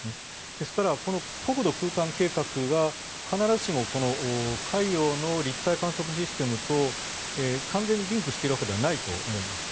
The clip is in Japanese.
ですから、国土空間計画が必ずしも海洋の立体観測システムと完全にリンクしているわけではないと思います。